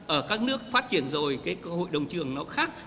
ở các nước phát triển rồi cái hội đồng trường nó khác